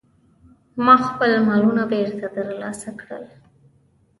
ما خپل مالونه بیرته ترلاسه کړل.